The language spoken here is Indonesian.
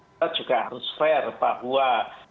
kita juga harus fair bahwa